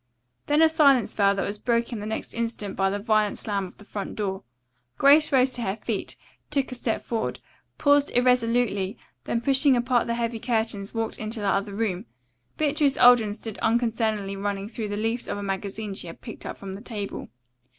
Then a silence fell that was broken the next instant by the violent slam of the front door. Grace rose to her feet, took a step forward, paused irresolutely, then pushing apart the heavy curtains walked into the other room. Beatrice Alden stood unconcernedly running through the leaves of a magazine she had picked up from the table.